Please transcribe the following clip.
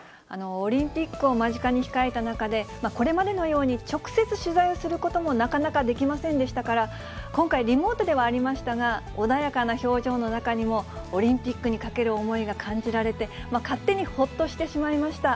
オリンピックを間近に控えた中で、これまでのように、直接取材をすることもなかなかできませんでしたから、今回、リモートではありましたが、穏やかな表情の中にも、オリンピックにかける思いが感じられて、勝手にほっとしてしまいました。